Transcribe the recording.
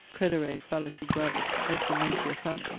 'Credere fallacy gravis est dementia famæ.'